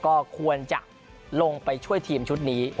ก็ควรจะลงไปช่วยทีมชุดนี้